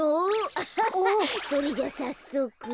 アハハッそれじゃあさっそく。